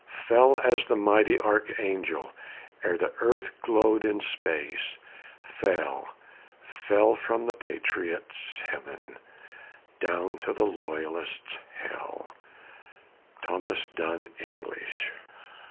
Fell as the mighty archangel, ere the earth glowed in space, fell Fell from the patriot's heaven down to the loyalist's hell! THOMAS DUNN ENGLISH.